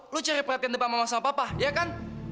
lu cari perhatian depan mama sama papa ya kan